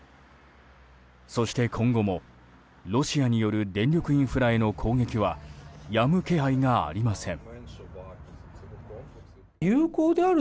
そして今後も、ロシアによる電力インフラへの攻撃はやむ気配がありません。